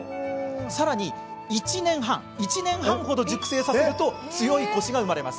さらに１年半程、熟成させると強いコシが生まれます。